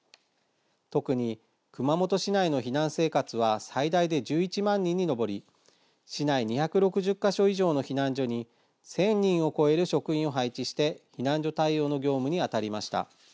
特に熊本市内の避難生活は最大で１１万人に上り市内２６０か所以上の避難所に１０００人を超える職員を配置して避難所対応の業務に当たりました。